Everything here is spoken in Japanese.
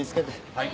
はい。